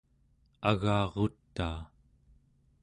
agarutaa